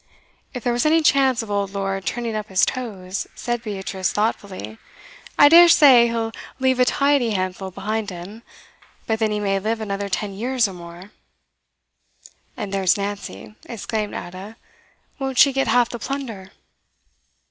'If there was any chance of old Lord turning up his toes,' said Beatrice thoughtfully. 'I dare say he'll leave a tidy handful behind him, but then he may live another ten years or more.' 'And there's Nancy,' exclaimed Ada. 'Won't she get half the plunder?